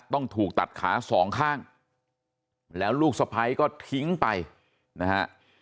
ต้องถูกตัดขาสองข้างแล้วลูกสะพ้ายก็ทิ้งไปนะฮะ